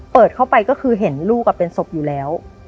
เปิดเข้าไปก็คือเห็นลูกเป็นศพอยู่แล้ว